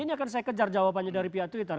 ini akan saya kejar jawabannya dari pihak twitter